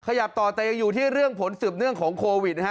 ขยับต่อแต่ยังอยู่ที่เรื่องผลสืบเนื่องของโควิดนะฮะ